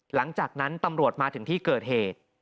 หลังจากนั้นตำรวจมาถึงที่เกิดเหตุ